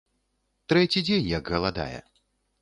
Трэці дзень, як галадае.